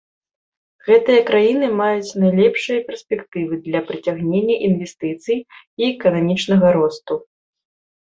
Гэтыя краіны маюць найлепшыя перспектывы для прыцягнення інвестыцый і эканамічнага росту.